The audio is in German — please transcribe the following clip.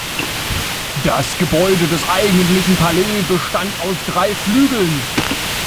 Das Gebäude des eigentlichen Palais bestand aus drei Flügeln.